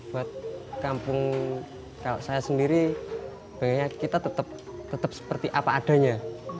buat kampung kalau saya sendiri pengennya kita tetap seperti apa adanya